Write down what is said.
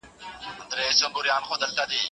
سیسټم ټولنیزې ګټې برابروي.